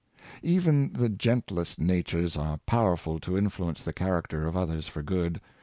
Even the gentlest natures are powerful to influence the character of others for good.